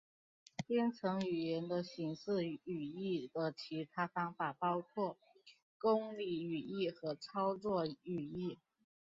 编程语言的形式语义的其他方法包括公理语义和操作语义。